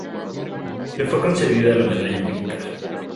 Le fue concedida la Medalla Militar.